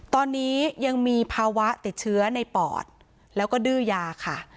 ตอนนี้ยังมีภาวะติดเชื้อในปอดแล้วก็ดื้อยาค่ะ